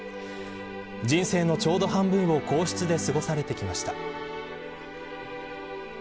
人生のちょうど半分を皇室で過ごされてきました。